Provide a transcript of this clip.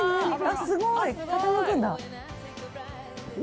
すごい！傾くんだ！